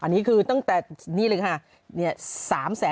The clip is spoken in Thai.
อันนี้คือตั้งแต่นี่เลยค่ะ